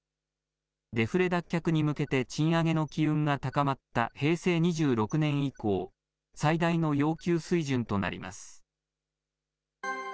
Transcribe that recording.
デフレ脱却に向けて賃上げの機運が高まった平成２６年以降、最大の要求水準となります。